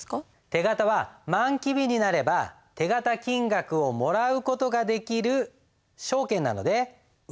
手形は満期日になれば手形金額をもらう事ができる証券なので売れるんです。